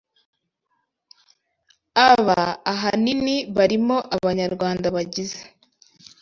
Aba ahanini barimo abanyarwanda bagize